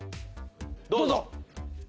どうぞ。